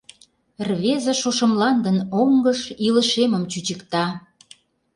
Рвезе шошо мландын оҥыш Илыш эмым чӱчыкта.